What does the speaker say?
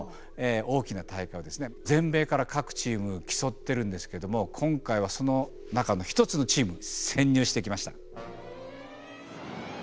全米から各チーム競ってるんですけども今回はその中の一つのチームに潜入してきました。